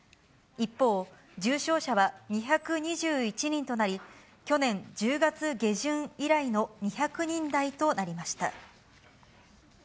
一方、重症者は２２１人となり、去年１０月下旬以来の２００人台となりました。